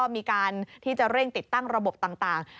มีการที่จะเร่งติดตั้งระบบต่าง